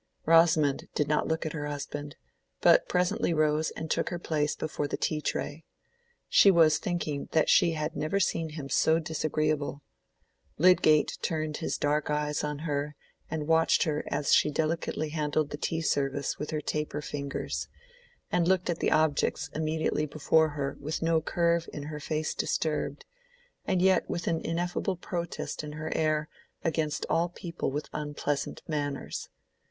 Rosamond did not look at her husband, but presently rose and took her place before the tea tray. She was thinking that she had never seen him so disagreeable. Lydgate turned his dark eyes on her and watched her as she delicately handled the tea service with her taper fingers, and looked at the objects immediately before her with no curve in her face disturbed, and yet with an ineffable protest in her air against all people with unpleasant manners.